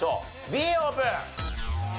Ｂオープン！